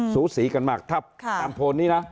สูสีกันมากถ้าตามโพลนี้นะ